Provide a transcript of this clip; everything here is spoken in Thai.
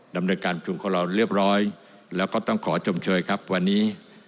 ดำเนินการประชุมของเราเรียบร้อยแล้วก็ต้องขอชมเชยครับวันนี้